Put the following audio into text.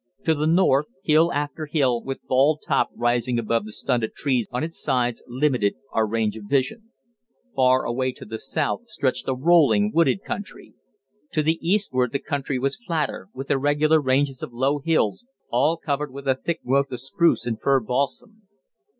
To the north, hill after hill, with bald top rising above the stunted trees on its sides, limited our range of vision. Far away to the south stretched a rolling, wooded country. To the eastward the country was flatter, with irregular ranges of low hills, all covered with a thick growth of spruce and fir balsam.